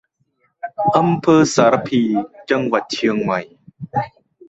อำเภอสารภี จังหวัดเชียงใหม่